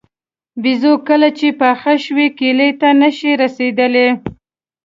بېزو کله چې پاخه شوي کیلې ته نه شي رسېدلی.